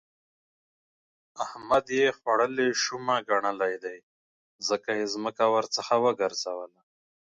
احمد يې خوړلې شومه ګنلی دی؛ ځکه يې ځمکه ورڅخه وګرځوله.